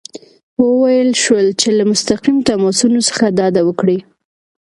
وویل شول چې له مستقیم تماسونو څخه ډډه وکړي.